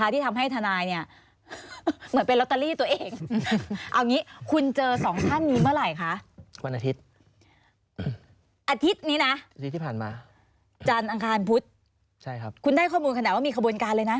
ที่ทำให้ทนายเหมือนเป็นรถเตอรี่ตัวเอง